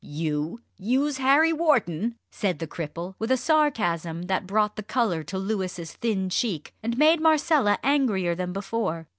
"You use Harry Wharton!" said the cripple, with a sarcasm that brought the colour to Louis's thin cheek and made Marcella angrier than before.